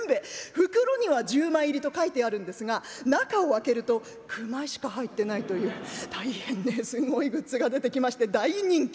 袋には１０枚入りと書いてあるんですが中を開けると９枚しか入ってないという大変ねすごいグッズが出てきまして大人気。